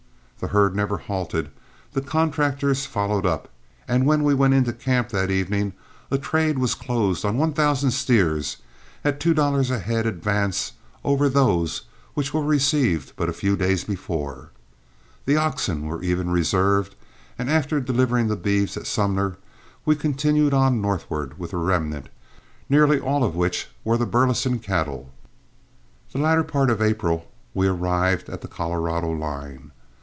The herd never halted, the contractors followed up, and when we went into camp that evening a trade was closed on one thousand steers at two dollars a head advance over those which were received but a few days before. The oxen were even reserved, and after delivering the beeves at Sumner we continued on northward with the remnant, nearly all of which were the Burleson cattle. The latter part of April we arrived at the Colorado line.